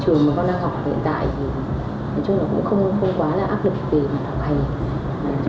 trường mà con đang học ở hiện tại thì nói chung là cũng không quá là áp lực để học hành